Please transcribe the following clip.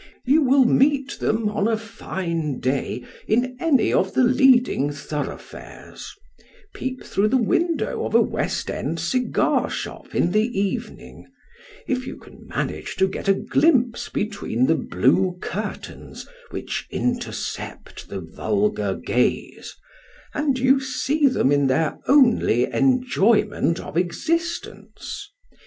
You will meet them on a fine day in any of the leading thoroughfares : peep through the window of a west end cigar shop in the evening, if you can manage to get a glimpse between the blue curtains which intercept the vulgar gaze, and you see them in their only enjoyment of existence.